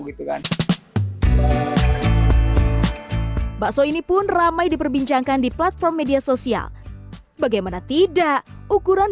gitu kan bakso ini pun ramai diperbincangkan di platform media sosial bagaimana tidak ukuran